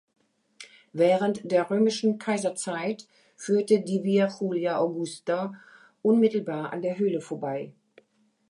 Während der Römischen Kaiserzeit führte die Via Julia Augusta unmittelbar an der Höhle vorbei.